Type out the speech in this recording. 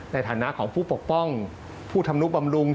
ในฐานะของผู้ปกป้องผู้ธรรมนุบำรุง